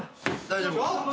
大丈夫か？